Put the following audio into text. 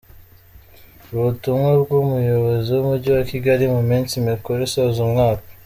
Ubutumwa bw’Umuyobozi w’Umujyi wa Kigali mu minsi mikuru isoza umwaka